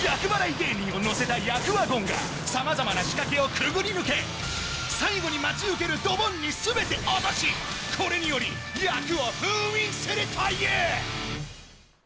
芸人を乗せた厄ワゴンが、様々な仕掛けをくぐり抜け、最後に待ち受けるドボンにすべて落とし、これにより、厄を封印するという。